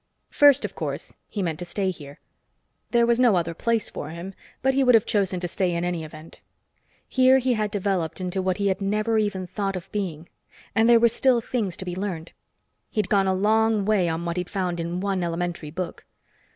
First, of course, he meant to stay here. There was no other place for him, but he would have chosen to stay in any event. Here he had developed into what he had never even thought of being, and there were still things to be learned. He'd gone a long way on what he'd found in one elementary book.